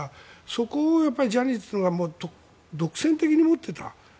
そこをジャニーズというのが独占的に持っていた。